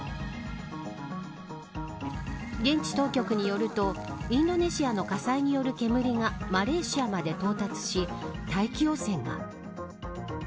現地当局によるとインドネシアの火災による煙がマレーシアまで到達し大気汚染が。